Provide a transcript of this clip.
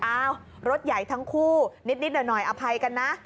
รถใหญ่ทั้งคู่นิดหน่อยอภัยกันนะ